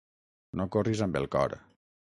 No corris amb el cor.